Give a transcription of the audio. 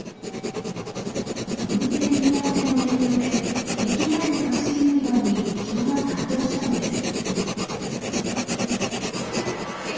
運転見合わせの影響で駅前のタクシー乗り場に人が殺到したのです。